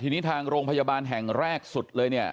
ที่นี่ทางโรงพยาบาลแห่งแรกสุดเลย